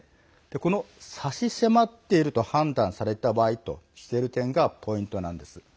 この差し迫っていると判断されている場合というのがポイントなんです。